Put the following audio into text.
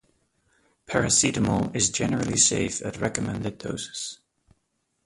Paracetamol is generally safe at recommended doses.